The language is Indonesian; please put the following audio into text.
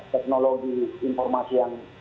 teknologi informasi yang